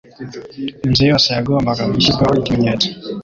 Inzu yose yagombaga gushyirwaho ikimenyetso,